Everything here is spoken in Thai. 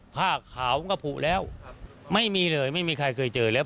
ผ้าขาวมันก็ผูกแล้วไม่มีเลยไม่มีใครเคยเจอแล้ว